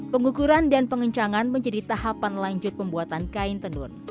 pengukuran dan pengencangan menjadi tahapan lanjut pembuatan kain tenun